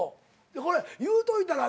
これ言うといたら。